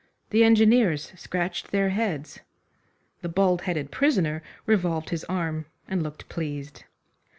The engineers scratched their heads. The bald headed prisoner revolved his arm and looked pleased.